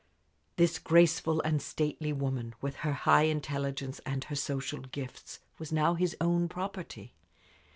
This graceful and stately woman, with her high intelligence and her social gifts, was now his own property.